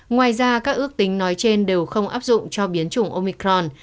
ngoài ra các ước tính nói trên đều không áp dụng cho biến chủng omicron